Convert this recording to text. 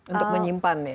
untuk menyimpan ya